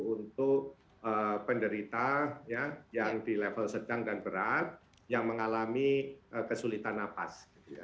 untuk penderita yang di level sedang dan berat yang mengalami kesulitan nafas